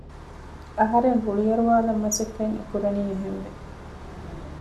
އަހަރެން ރުޅި އަރުވާލަން މަސައްކަތް އެކުރަނީ އެހެންވެ